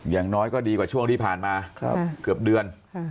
อย่างน้อยก็ดีกว่าช่วงที่ผ่านมาเกือบเดือน